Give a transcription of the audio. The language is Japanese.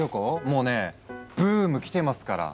もうねブーム来てますから。